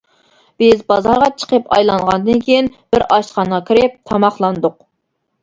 بىز بازارغا چىقىپ ئايلانغاندىن كېيىن بىر ئاشخانىغا كىرىپ تاماقلاندۇق.